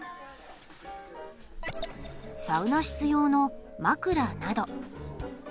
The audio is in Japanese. サウナ室用の枕など。